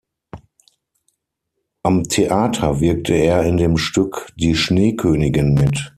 Am Theater wirkte er in dem Stück „Die Schneekönigin“ mit.